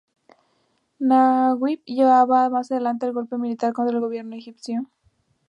Naguib llevaría más adelante el golpe militar contra el gobierno egipcio.